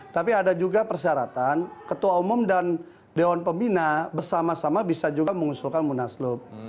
tapi ada juga persyaratan ketua umum dan dewan pembina bersama sama bisa juga mengusulkan munaslup